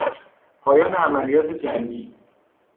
پایان عملیات جنگی